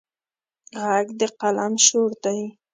غږ د قلم شور دی